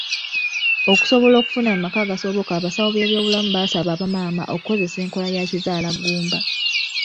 Okusobola okufuna amaka agasoboka abasawo b'ebyobulamu baasaba bamaama okukozesa enkola ya kizaalagumba.